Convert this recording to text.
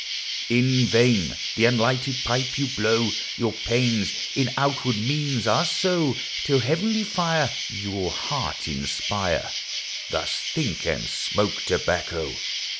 In vain the unlighted pipe you blow — Your pains in outward means are so, Till heavenly fire Your heart inspire : Thus think, and smoke tobacco.